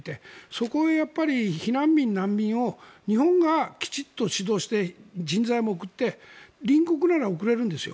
そこへやっぱり避難民、難民を日本がきちんと主導して人材も送って隣国なら送れるんです。